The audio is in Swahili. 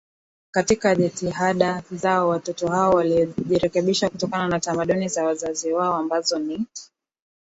Katika jitihada zao watoto hao walijirekebisha kutokana na tamaduni za wazazi wao ambazo ni